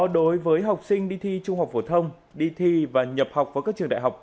đối với học sinh đi thi trung học phổ thông đi thi và nhập học vào các trường đại học